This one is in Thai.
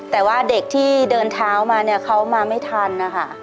แต่ว่าเด็กที่เดินเท้ามาเนี่ยเขามาไม่ทันนะคะ